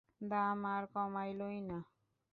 দাম আর কমালোই না।